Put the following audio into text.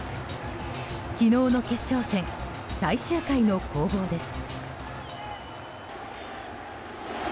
昨日の決勝戦最終回の攻防です。